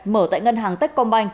mở tại ngân hàng techcom